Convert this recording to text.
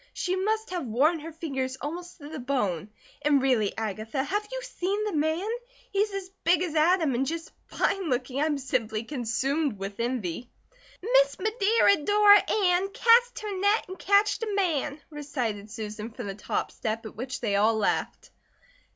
She must have worn her fingers almost to the bone! And really, Agatha, have you seen the man? He's as big as Adam, and just fine looking. I'm simply consumed with envy." "Miss Medira, Dora, Ann, cast her net, and catched a man!" recited Susan from the top step, at which they all laughed.